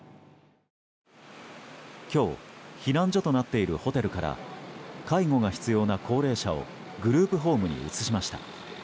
今日避難所となっているホテルから介護が必要な高齢者をグループホームに移しました。